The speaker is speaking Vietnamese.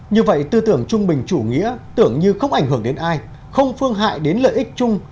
như vậy tư tưởng trung bình chủ nghĩa tưởng như không ảnh hưởng đến ai không phương hại đến lợi ích chung